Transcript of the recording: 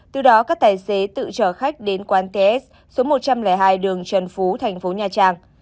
từ đó các tài xế tự chở khách đến quán ts số một trăm linh hai đường trần phú thành phố nha trang